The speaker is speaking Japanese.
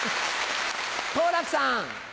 好楽さん。